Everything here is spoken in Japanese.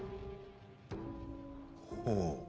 ほう。